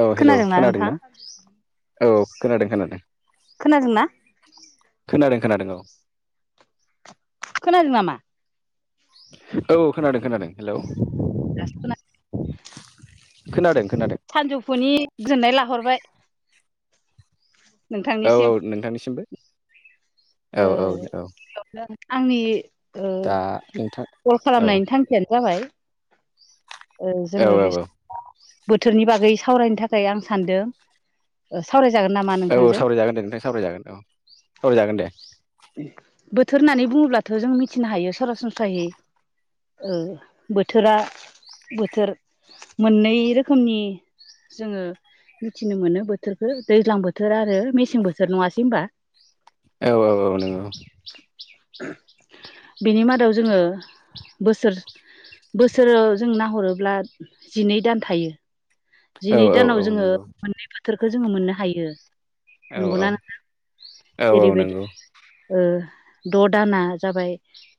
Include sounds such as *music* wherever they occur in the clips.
औ हेल' खोनादोंना औ खोनादों खोनादों खोनादोंना? खोनादों खोनादों औ खोनादों नामा औ खोनादों खोनादों हेलौ। दासो खोना खोनादों खोनादों सानजौफुनि गोजोननाय लाहरबाय। औ नोंथांनिसिम औ नोंथांनिसिमबो ओ औ औ औ। गिबियावनो आंनि ओ दा नोंथां औ कल औ खालामनायनि थांखियानो जाबाय ओ औ जोङो बे औ बोथोरनि बागै सावरायनो थाखाय आं सानदों ओ सावराय औ सावरायजागोन दे नोंथां सावरायजागोन औ सावरायजागोन दे। बोथोर होननानै बुङोब्लाथ' जों मिथिनो हायो सरासनस्रायै ओ बोथोरा मोननै रोखोमनि जोङो मिथिनो मोनो बोथोरखौ दैज्लां बोथोर आरो मेसें बोथोर नङासै होनबा? औ औ औ नंगौ। बिनि मादाव जोङो बोसोर बोसोराव जों नाहरोब्ला जिनै दान थायो। औ जिनै औ दानाव औ जोङो नंगौ मोननै बोथोरखौ जोङो मोननो हायो। औ नंगौना नोंथां औ औ जेरैबायदि नंगौ ओ द' दाना जाबाय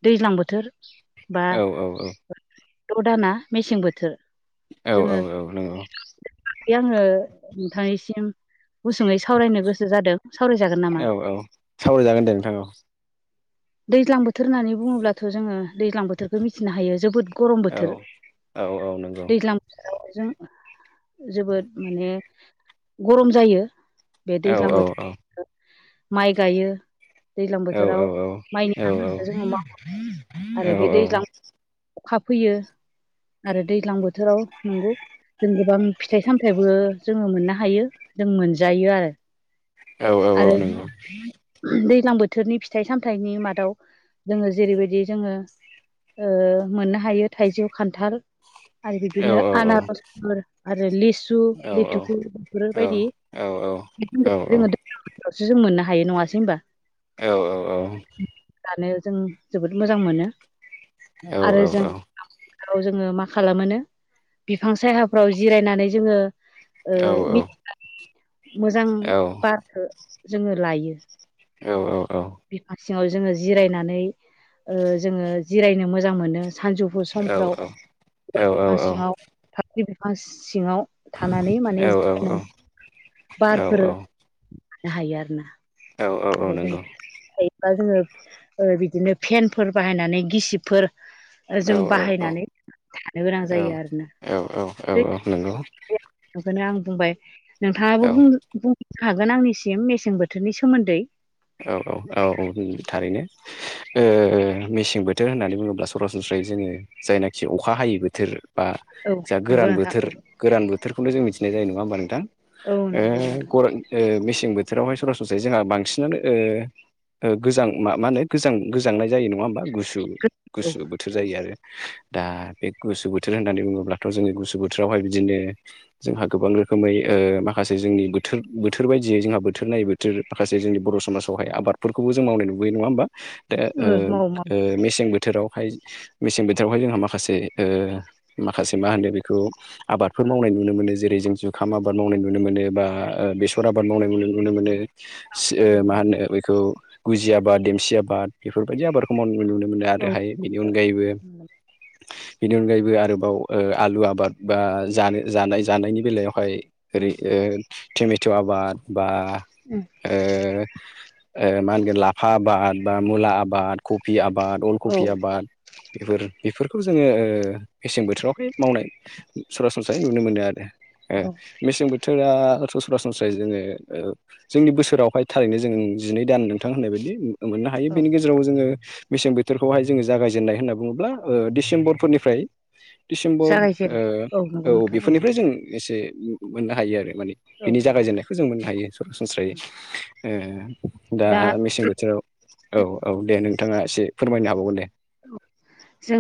दैज्लां बोथोर। बा औ औ औ द दाना मेसें बोथोर। औ औ जोङो औ नंगौ । आङो नोंथांनिसिम गुसुङै सावरायनो गोसो जादों । औ औ सावरायजागोन दे नोंथां औ दैज्लां बोथोर होननानै बुङोब्लाथ' जोङो दैज्लां बोथोरखौ मिथिनो हायो जोबोद गरम औ बोथोर औ औ नंगौ दैज्लां जों जोबोद माने गरम जायो। बे औ दैज्लां औ औ बोथोर माइ गायो दैज्लां औ बोथोराव माइनि आबादखौ औ जोङो औ आरो बे औ दैज्लां औ अखा फैयो आरो दैज्लां बोथोराव नंगौ। जों गोबां फिथाइ सामथाइबो जोङो मोननो हायो जों मोनजायो आरो औ औ औ आरो नंगौ। दैज्लां बोथोरनि फिथाइ सामथाइनि मादाव जोङो जेरैबायदि जोङो ओ मोननो हायो थाइजौ खान्थाल आरो बिदिनो आनारसफोर आरो लिस सु औ औ लेथुखु बेफोर औ बायदि जोङो बोथोरावसो जों मोननो हायो नङासै होनबा। औ औ औ जों जोबोद मोजां मोनो। औ औ औ। औ जोङो मा खालामोनो बिफां सायहाफ्राव जिरायनानै जोङो ओ मिथिंगानि मोजां बारखौ जोङो लायो। औ औ औ बिफां सिङाव जोङो जिरायनानै ओ जोङो जिरायनो मोजां मोनो। सानजौफु समफ्राव बिफां सिङाव फाख्रि बि मा सिङाव थानानै माने जिरायनानै बारफोर मोनोहाय आरोना। औ औ औ नंगौ। बा जोङो ओ बिदिनो फेनफोर बाहायनानै गिसिबफोर जों बाहायनानै थानो गोनां जायो आरोना। औ औ औ नंगौ। बाय बुंबाय नोंथाङाबो औ औ बुं बुंखागोन आंनिसिम मेसें बोथोरनि सोमोन्दै। औ औ औ थारैनो ओ मेसें बोथोर होननानै बुङोब्ला सरासनस्रा ओ जोङो जायनाखि अखा हायै बोथोर बा औ जा नंगौ गोरान नोंथां बोथोर औ गोरान बोथोरखौनो जों मिथिनाय जायो नङा होमबा नोंथां। औ ओ नंगौ नोंथां गर मेसें बोथोरावहाय सरासनस्रै जों बांसिन बिनानै ओ गोजां मा होनो गोजां गोजां नाय जायो नङा होनबा। गुसु औ गुसु बोथोर जायो आरो दा बे गुसु बोथोर होननानै बुङोब्लाथ' जोंनि गुसु बोथोरावहाय बिदिनो जोंहा गोबां रोखोमै ओ माखासे जोंनि बोथोर बोथोर बायदियै जोंहा बोथोर नायै बोथोर माखासे जोंनि बर' समाजावहाय आबादफोरखौबो जों मावनाय नुबोयो नङा होमबा दा ओ माव माव ओ मेसें बोथोराव हाय मेसें बोथोरावहाय जोंहा माखासे ओ माखासे मा होनो बेखौ आबादफोर मावनाय नुनो मोनो जे रै जों जुखाम आबाद मावनाय नुनो मोनो बा बेसर आबाद मावनाय नुनो मोनो। सो ओ नंगौ मा नंगौ होनो बेखौ गुजि आबाद देमसि आबाद बेफोरबायदि आबादखौ मावनाय नुनो। मोनो आरो औ हायो बेनि अनगायैबो नंगौ बेनि अनगायैबो आरोबाव ओ आलु आबाद बा जानो जानाय जानायनि बेलायावहाय उम ओरै ओ टमेट' आबाद बा उम ओ ओ माहोनगोन लाफा आबाद बा मुला आबाद कबि आब बाद औ अलकबि आबाद बेफोर बेफोरखौ जोङो ओ मेसें बोथोरावहाय मावनाय। सरासनस्रायै नुनो मोनो आरो ओ औ मेसें बोथोर। बोथोरा सरासनस्रा जोङो जोंनि बोसोरावहाय थारैनो जों जिनै दान नोंथां होननाय बायदि मोननो हायो औ बिनि गेजेराव जोङो मेसें बोथोरखौहाय जोङो जागायजेननाय होनना बुङोब्ला ओ डिसेम्बरफोरनिफ्राय दिसेम्बर जागायजेनो नंगौ ओ औ नोंथां बेफोरनिफ्राय जों एसे मोननो हायो आरो माने औ बिनि नोंथां जागायजेननायखौ जों मोननो हायो सरासनस्रायै उम दा मेसें बोथोराव औ - औ दे नोंथाङा एसे फोरमायनो हाबावगोन दे जों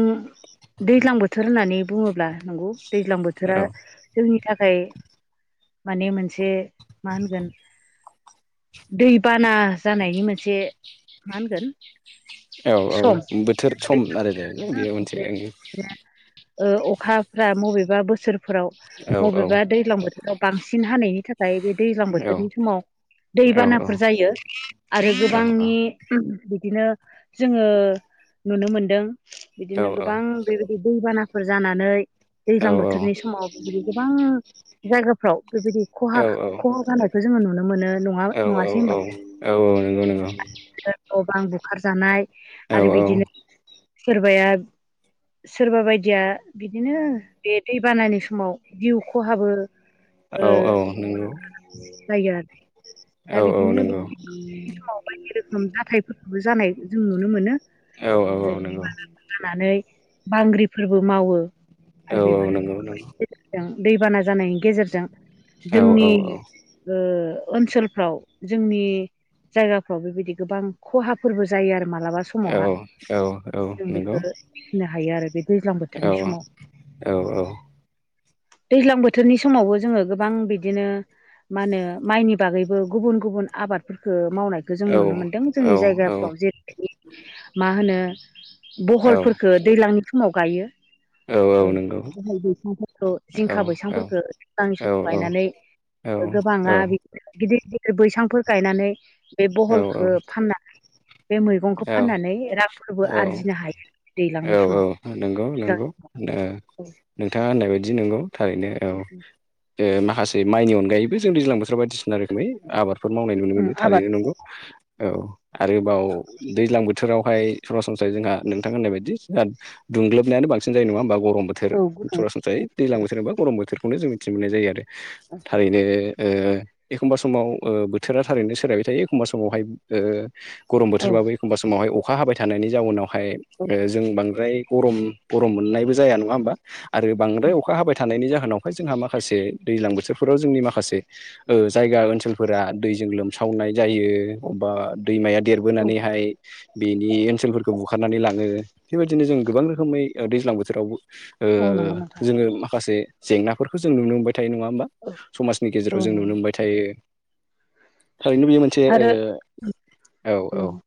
दैज्लां बोथोर होननानै बुङोब्ला नंगौ दैज्लां बोथोरा औ जोंनि थाखाय माने मोनसे मा होनगोन दैबाना जानायनि मोनसे मा होनगोन औ -औ सम बोथोर सम आरो दे बेयो मोनसे अखाफ्रा बबेबा बोसोरफोराव औ औ बबेबा दैज्लां बोथोराव बांसिन हानायनि थाखाय मफ्राय बे दैज्लां औ बोथोरनि समाव औ दैबानाफोर जायो आरो औ गोबांनि बिदिनो जोङो नुनो मोनदों औ बिदिनो गोबां बेबायदि दैबाना फोर जानानै दैज्लां बोथोरनि समाव बिबायदि गोबां जायगाफ्राव बेबायदि खहा- औ औ खहा जानायखौ जोङो नुनो मोनो नङा नङासै होनबा नंगौ नंगौ बां बे ओंखारजानाय औ आरो औ बिदिनो सोरबाया सोरबा बायदिया बिदिनो बे दैबानानि समाव जिउ खहाबो ओ औ - औ नंगौ जायो आरो दा औ औ बिदिनो नंगौ समाव बायदि रोखोम जाथायफोर जानाय जों नुनो मोनो औ औ औ नंगौ जानानै बांग्रिफोरबो मावो आरो औ बेफोर नंगौ नंगौ गेजेरजों दैबाना जानायनि गेजेरजों औ जोंनि औ औ ओ ओनसोलफ्राव जोंनि जायगाफ्राव बेबायदि गोबां खहाफोरबो जायो आरो मालाबा औ समावहा औ औ जों नंगौ बेखिनि बुंनो हायो आरो बे दैज्लां औ बोथोरनि समाव औ -औ दैज्लां बोथोरनि समावबो जोङो गोबां बिदिनो मा होनो माइनि बागैबो गुबुन गुबुन आबादफोरखौ मावनायखौ जों औ नुनो मोन्दों जोंनि जायगाफ्राव जेरै मा होनो औ बहलफोरखौ दैज्लांनि समाव गायो औ औ नंगौ बहल बैसांफोरखौ औ जिंखा औ बैसांफोरखौ सिगांनि औ समाव गायनानै औ गोबाङा बिदिनो गिदिर -गिदिर बैसांफोर गायनानै बे बहलखौ फाननानै बे मैगंखौ औ फाननानै रांफोरबो -औ आरजिनो हायो दैज्लांनि -औ समाव -औ नंगौ -नंगौ नोंथाङा होननाय बायदि नंगौ थारैनो औ माखासे माइनि अनगायैबो जों दैज्लां बोथोराव बायदिसिना रोखोमै आबार बेफोर मावनाय नुनो उम मोनो आबाद थारैनो नंगौ औ आरोबाव दैज्लां बोथोरावहाय सरासनस्राय जोंहा नोंथां होननाय बायदि जोंहा दुंग्लोबनायानो बांसिन जायो नङा होमबा गरम बोथोर औ गुदुं सरासनस्रायै दैज्लां बोथोर होनबा गरम बोथोरखौनो जों मिथि मोननाय जायो आरो थारैनो एखमबा समाव बोथोरा थारैनो सोलायबाय थायो एखमबा समावहाय औ बोथोराबो एखमबा समावहाय अखा हाबाय थानायनि जाउनावहाय जों बांद्राय गरम -गरम मोननायबो जाया नङा होमबा आरो बांद्राय अखा हाबाय थानायनि जा जावनावहाय जोंहा माखासे दैज्लां बोथोरफोराव जोंनि माखासे जायगा ओनसोलफोरा दैजों लोम सावनाय जायो अबा दैमाया औ देरबोनानैहाय बेनि ओनसोलफोरखौ ब बुखारनानै लाङो बेबायदिनो जों गोबां रोखोमै दैज्लां बोथोराव औ नंगौ नोंथां जोङो माखासे जेंनाफोरखौ जों नुनो मोनबाय थायो नङा होमबा समाजनि गेजेराव औ जों नुनो नंगौ मोनबाय थायो थारैनो बियो मोनसे आरो औ औ नंगौ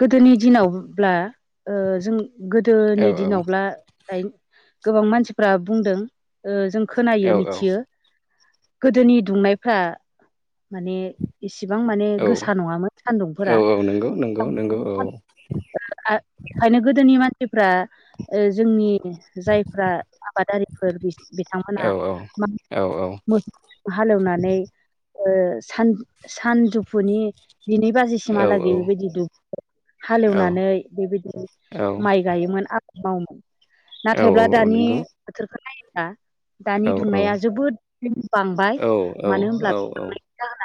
गोदोनि दिनावब्ला जों औ गोदोनि औ दिनावब्ला दाय गोबां मानसिफ्रा बुंदों जों खोनायो औ मिथियो गोदोनि दुंनायफ्रा माने इसिबां माने औ गोसा नङामोन औ सान्दुंफोरा औ नंगौ नंगौ *unintelligible* ओ नंगौ औ *unintelligible* बेखायनो गोदोनि मान सिफ्रा ओ जोंनि जायफ्रा आबादारिफोर औ बिथांमोना मा औ मोसौजों हालेवनानै ओ सन सानजौफुनि दिनै औ बाजिसिमहालागै बेबायदि दु हालेवनानै बेबायदि औ माइ गायोमोन । मावोमोन औ नाथायब्ला औ दानि नंगौ बोथोरखौ नायोब्ला औ दानि औ दुंनाया जोबोद बांबाय औ मानो होनब्ला औ औ बेबांनायनि जाहोना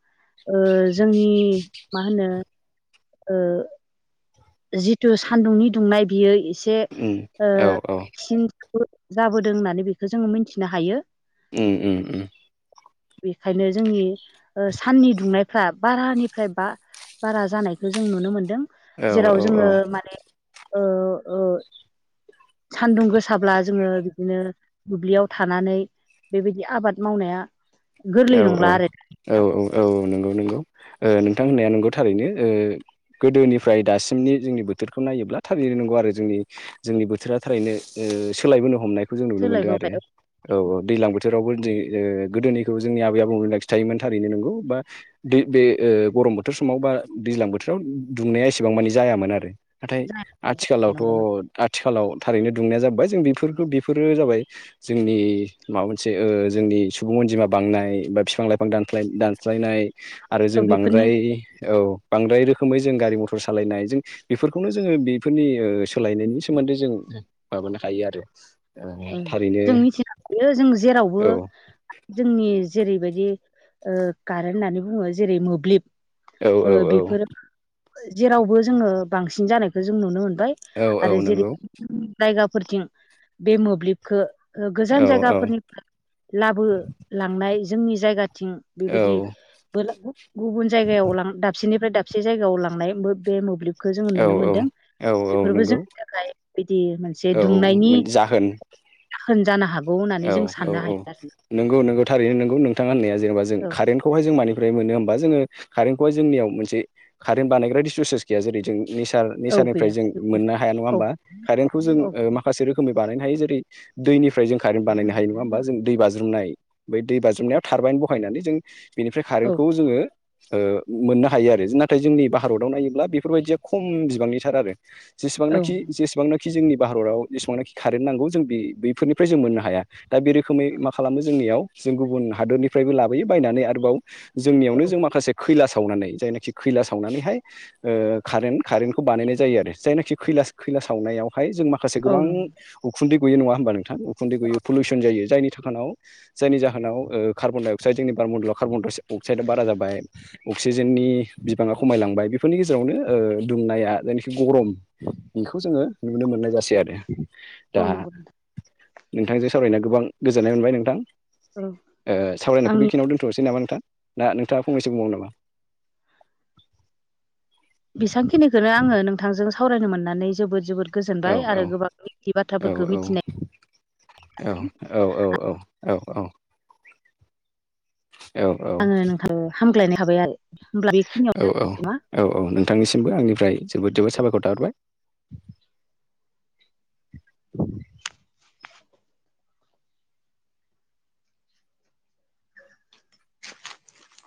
ओ जोंनि मा होनो ओ जिथु सान्दुंनि दुंनाय बियो एसे ओ *unintelligible* जाबोदों होननानै बेखौ जोङो मिन्थिनो हायो । उ उ उ बेखायनो जोंनि साननि दुंनायफ्रा बारानिफ्राय बा बारा जानायखौ जों नुनो मोनदों औ औ जेराव जोङो औ माने ओ ओ *inaudible* सान्दुं गोसाब्ला जोङो बिदिनो दुब्लियाव थानानै बेबायदि आबाद मावनाया गोरलै औ औ नंला आरो दानि औ दिनाव औ औ नंगौ नंगौ ओं नों नोंथां होनयाना नंगौ थारैनो गोदोनिफ्राय दासिमनि जोंनि बोथोरखौ नायोब्ला थारैनो नंगौ आरो जोंनि जोंनि बोथोरा थारैनो ओ सोलायबोनो हमनायखौ जों नुनो मोनदों आरो सोलायबोबाय औ औ दै्लां बोथोरावबो गोदोनि खौ जोंनि आबै आबौनो लाखि थायोमोन थारैनो नगौ बा बे गरम बोथोर समाव बा दैज्लां बोथोराव बि‌व दुंनाया एसेबां मानि जायामोन आरो नाथाय आथिखालावथ' जानांगौ आथिखालाव थारैनो दुंनाया जाबबाय जों बेफोरखौ बेफोरो जाबाय जोंनि माबा मोनसे ओ जोंनि सुबुं अनजिमा बांनाय बा बिफां लाइफां दानस्लायनाय आरो जों बेफोरनि बांद्राय औ बांद्राय रोखोमै जों गारि मथर सालायनाय जों बेफोरखौनो जोङो बेफोरनि सोलायनायनि सोमोन दै जों माबानो हायो आरो । ओ जों मिथिनो हायो जों जेरावबो औ जोंनि जेरैबायदि ओ कारेन् होननानै बुङो जेरै मोब्लिब औ औ ओ औ बेफोरो जेरावबो जोङो बांसिन जानायखौ जों नुनो मोनदों । औ औ आरो जेरै नंगौ जायगाफोरथिं बे मोब्लिबखौ औ गोजान औ औ जायगाफोरनिफ्राय लाबो लांनाय जोंनि जायगा थिं बेबायदि *unintelligible* गुबुन जायगायाव लां दाबसेनि ओमफ्राय दाबसे जायगायाव लांनाय बे मोब्लिब खौ जोङो औ नुनो मोनदों औ औ बेफोरबो नंगौ जोंनि थाखाय बिदि मोनसे दुंनायनि औ जाहोन होनजानो हागोन । औ औ औ नंगौ नोंगौ थारैनो नोंगौ नोंथांा होननाया जेनेबा जों औ कारेन्टखौहाय जों मानि फ्राय मोन होमबा जोङो कारेन्टखौ जोंनियाव मोनसे कारेन्ट बानायग्रा रिससेस गैया जेरै जों औ गैया रि *unintelligible* मोननो हय औ नङा कारेन्ट खौ जों औ ओ माखासे रो खोमै बानायनो हायो जेरै दैनिफ्राय जों कारेन बानायनो हायो नङा होमा जों दै बाज्रुमनाय बै दै बाज्रुमनायाव थारबायन बहायनानै जों बेनिफ्राय औ कारेन्टखौ जोङो ओ मोननो हायो आरो नाथाय जोंनि भारताव नायोब्ला बेफोरबायदिया खम बिबांनिथार आरो । औ जेसेबांनाखि जेसेबांनाखि जोंनि भारताव एसेबांनाखि कारेन्ट नांगौ जों बे बैफोरनि फ्राय जों मोननो हाया दा बे रोखोमै मा खालामो जोंनियाव जों गुबुन हादरनिफ्रायबो लाबोयो बायनानै आरोबाव औ जोंनियावनो जों माखासे खैला सावनानै जायनाखि खैला सावनानैहाय ओ कारेन्ट कारेन्ट खौ बानायनाय जायो आरो जायनाखि खैलासाव सावनायावहाय जों माखासे औ गोबां नंगौ उखुन्दै गयो नङा होनबा नोंथां उखुनदै गयो पलिउस जायो जायनि *unintelligible* जायनि जाहोनाव ओ कार्बन अक्साइड जोंनि बार मन्दलाव कार्बन अक्साइडआ बारा जाबाय अक्सिजेननि बिबांङा खमायलांबाय बेफोरनि गेजेरावनो ओ दुंनाया जायनाखि गरम बेखौ जोंङो नुनो मोननाय जासै आरो दा औ नंगौ नोंथां नोंथांजों सावरायनो गोबां गोजोननाय मोनबाय नोंथां औ ओ सावरायनायखौबो आंनि बेखिनियाव दोनथ'नोसै नामा नोंथां? ना नोंथांङा फंनैसो बुंबावो नामा? बेसेबां खिनिखौनो आंङो नोंथांजों सावरायनो मोननानै जोबोद जोबोद औ गोजोनबाय औ आरो गोबां मिथियै औ औ बाथ्राफोरखौ औ मिथिनाय औ औ औ औ औ आंङो नोंथां हामग्लाय हाबाय आरो होमब्ला बेखिनियाव औ औ ना औ औ नोंथांनिसिमबो आंनिफ्राय जोबोद जोबोद साबायखर थाहरबाय